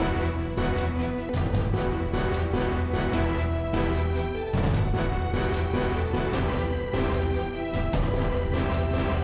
aku mau pergi